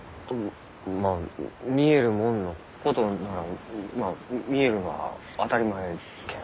まあ見えるもんのことならまあ見えるが当たり前じゃけんど。